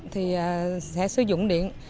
thì sẽ sử dụng điện